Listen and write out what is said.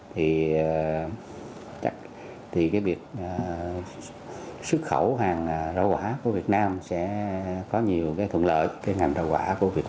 thì cái việc xuất khẩu hàng rau quả của việt nam sẽ có nhiều cái thuận lợi cái ngành rau quả của việt